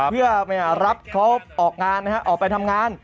เพื่อรับเขาออกไปทำงาน